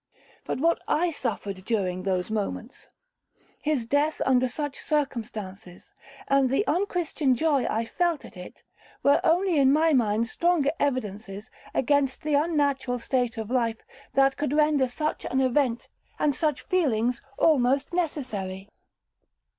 But what I suffered during those moments!—his death under such circumstances, and the unchristian joy I felt at it, were only in my mind stronger evidences against the unnatural state of life that could render such an event, and such feelings, almost necessary.